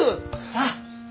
さあ。